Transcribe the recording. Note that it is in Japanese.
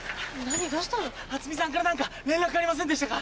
あつみさんから何か連絡ありませんでしたか？